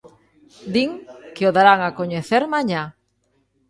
Din que o darán a coñecer mañá.